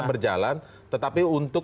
berjalan tetapi untuk